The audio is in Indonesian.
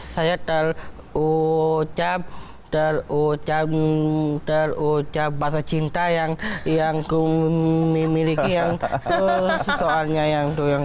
saya terucap terucap terucap bahasa cinta yang yang kumiliki yang soalnya yang doyang